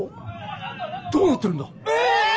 どうなってるんだ？え！